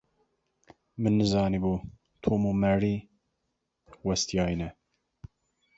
Min nizanîbû Tom û Mary westiyayî ne.